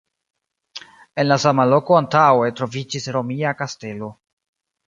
En la sama loko antaŭe troviĝis Romia kastelo.